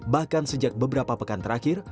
bahkan sejak beberapa pekan terakhir